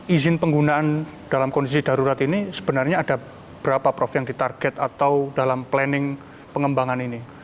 izin penggunaan dalam kondisi darurat ini sebenarnya ada berapa prof yang ditarget atau dalam planning pengembangan ini